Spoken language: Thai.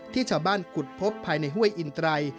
ที่ชาวบ้านขุดพบภายในห้วยอินไตร